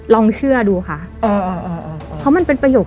แล้วก็เล่าให้แฟนฟัง